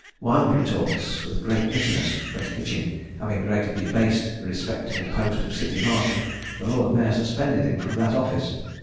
Wild retorts with great bitterness but Hitchin having greatly debased the respectable post of city marshal, the lord mayor suspended him from that office.